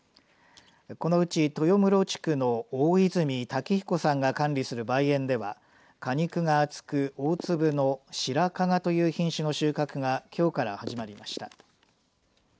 このうち豊室地区の大泉太貴彦さんが管理する梅園では果肉が厚く大粒の白加賀という品種の収穫がきょうから始まりました。